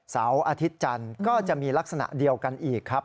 เสาร์อาทิตย์จันทร์ก็จะมีลักษณะเดียวกันอีกครับ